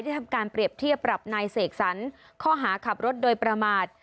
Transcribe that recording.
ทำการเปรียบเทียบปรับนายเสกสรรข้อหาขับรถโดยประมาท